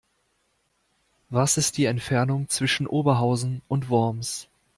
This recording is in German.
Was ist die Entfernung zwischen Oberhausen und Worms?